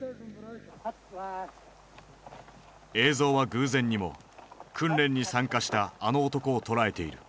映像は偶然にも訓練に参加したあの男を捉えている。